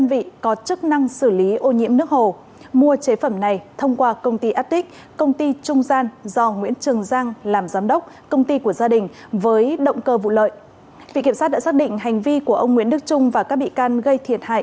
vị kiểm soát đã xác định hành vi của ông nguyễn đức trung và các bị can gây thiệt hại